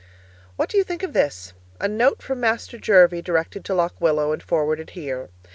What do you think of this? A note from Master Jervie directed to Lock Willow and forwarded here.